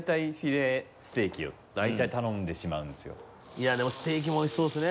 いやでもステーキも美味しそうですね